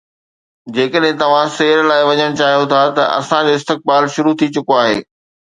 جيڪڏهن توهان سير لاءِ وڃڻ چاهيو ٿا ته اسان جو استقبال شروع ٿي چڪو آهي